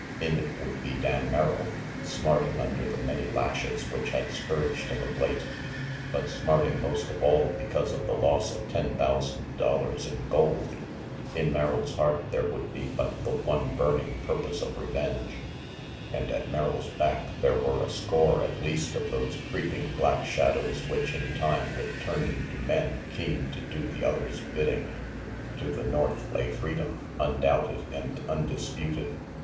In it would be Dan Merrill, smarting under the many lashes which had scourged him of late, but smarting most of all because of the loss of ten thousand dollars in gold. In Merrill's heart there would be but the one burning purpose of revenge; and at Merrill's back there were a score at least of those creeping black shadows which in time would turn into men keen to do the other's bidding. To the north lay freedom, undoubted and undisputed.